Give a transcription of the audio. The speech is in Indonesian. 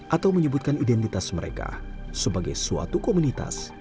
atau menyebutkan identitas mereka sebagai suatu komunitas